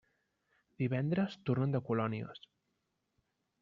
Divendres tornen de colònies.